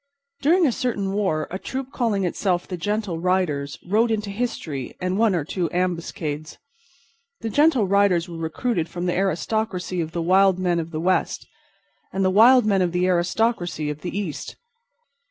During a certain war a troop calling itself the Gentle Riders rode into history and one or two ambuscades. The Gentle Riders were recruited from the aristocracy of the wild men of the West and the wild men of the aristocracy of the East.